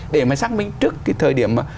để mà xác minh trước cái thời điểm